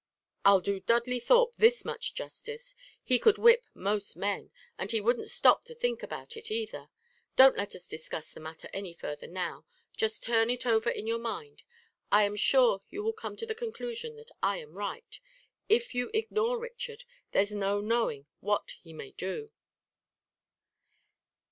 I'll do Dudley Thorpe this much justice: he could whip most men, and he wouldn't stop to think about it, either. Don't let us discuss the matter any further now. Just turn it over in your mind. I am sure you will come to the conclusion that I am right. If you ignore Richard, there's no knowing what he may do."